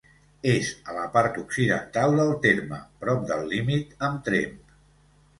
És a la part occidental del terme, prop del límit amb Tremp.